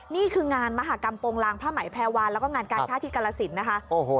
นี่คืองานมหากัมปงรังพระใหม่แพวร์แล้วก็งานกาชาธิกรสินณ์นะคะโอ้โห